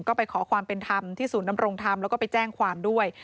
ก็ไปขอความเป็นธรรมที่ศูนย์นำรงธรรมแล้วก็ไปแจ้งความด้วย